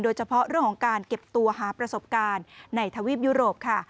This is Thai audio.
โดยเฉพาะเรื่องของการเก็บตัวหาประสบการณ์ในทวีปยุโรปค่ะ